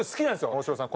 大城さん